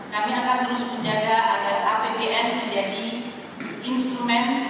kami akan terus menjaga agar apbn menjadi instrumen